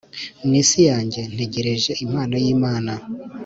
mw'isi yanjye ntegereje impano y'imana.